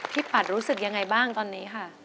ปัดรู้สึกยังไงบ้างตอนนี้ค่ะ